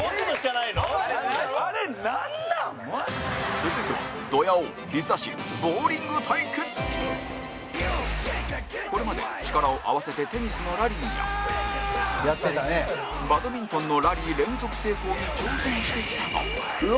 続いては、ドヤ王、ヒザ神ボウリング対決これまで、力を合わせてテニスのラリーやバドミントンのラリー連続成功に挑戦してきたが後藤：６。